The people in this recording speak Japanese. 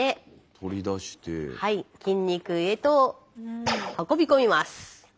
筋肉へと運び込みます。